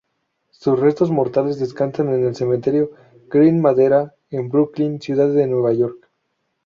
Sus restos mortales descansan en el cementerio Green-Madera, en Brooklyn, ciudad de Nueva York.